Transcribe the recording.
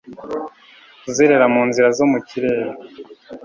Kuzerera mu nzira zo mu kirere